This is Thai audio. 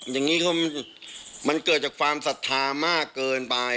อย่างนี้มันเกิดจากความศรัทธามากเกินไป